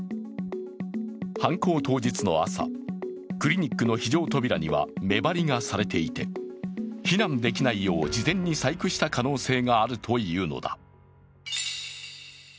犯行当日の朝、クリニックの非常扉には目張りがされていて避難できないよう、事前に細工した可能性があるというのだ。